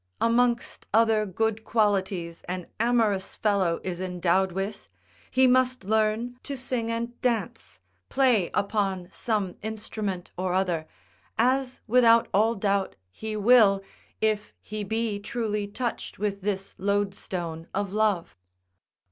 Amongst other good qualities an amorous fellow is endowed with, he must learn to sing and dance, play upon some instrument or other, as without all doubt he will, if he be truly touched with this loadstone of love.